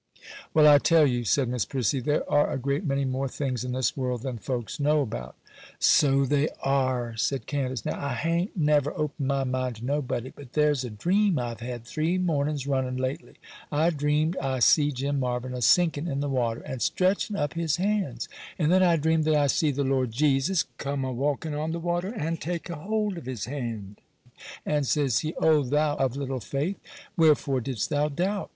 'Well, I tell you,' said Miss Prissy, 'there are a great many more things in this world than folks know about.' 'So they are,' said Candace. 'Now, I ha'n't never opened my mind to nobody; but there's a dream I've had, three mornings running, lately. I dreamed I see Jim Marvyn a sinking in the water, and stretching up his hands. And then I dreamed that I see the Lord Jesus come a walking on the water, and take hold of his hand, and says He, "O thou of little faith, wherefore didst thou doubt?"